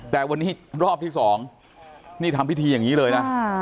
แต่วันนี้รอบที่๒นี่ทำพิธีอย่างนี้เลยนะ